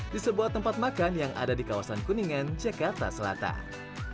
di sebuah tempat makan yang ada di kawasan kuningan jakarta selatan